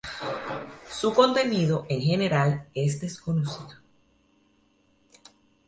Su contenido en general es desconocido.